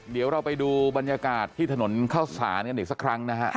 เดี๋ยวเราไปดูบรรยากาศที่ถนนเข้าศาลกันอีกสักครั้งนะฮะ